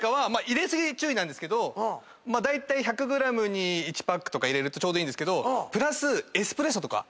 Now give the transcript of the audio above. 入れ過ぎ注意なんですけどだいたい１００ｇに１パックとか入れるとちょうどいいけど。